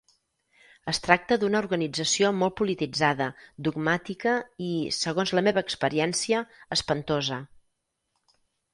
Es tracta d'una organització molt polititzada, dogmàtica i, segons la meva experiència, espantosa.